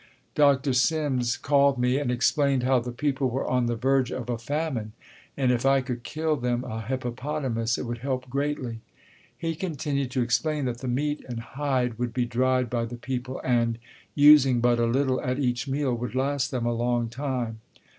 Dr. Simms called me and explained how the people were on the verge of a famine and if I could kill them a hippopotamus it would help greatly. He continued to explain that the meat and hide would be dried by the people and, using but a little at each meal, would last them a long time.